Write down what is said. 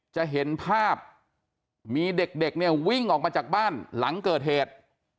จะเห็นภาพมีเด็กเนี่ยวิ่งออกมาจากบ้านหลังเกิดเหตุ